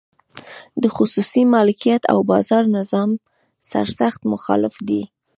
د خصوصي مالکیت او بازار نظام سرسخت مخالف دی.